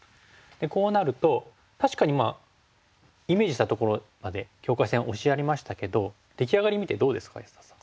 こうなると確かにまあイメージしたところまで境界線を押しやりましたけど出来上がり見てどうですか安田さん。